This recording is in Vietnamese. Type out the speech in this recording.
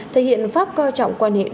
thể hiện pháp co trọng quan hệ với việt nam